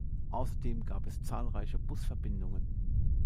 Außerdem gab es zahlreiche Busverbindungen.